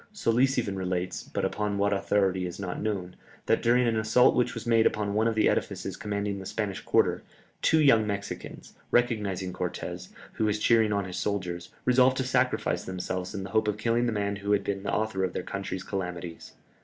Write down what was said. Solis even relates, but upon what authority is not known, that during an assault which was made upon one of the edifices commanding the Spanish quarter, two young Mexicans, recognizing Cortès, who was cheering on his soldiers, resolved to sacrifice themselves in the hope of killing the man who had been the author of their country's calamities.